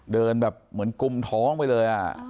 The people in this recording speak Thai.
เดินแบบเหมือนกุมท้องไปเลย